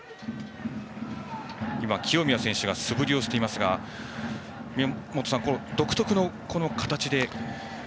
清宮選手が素振りしていますが宮本さん、独特の形で。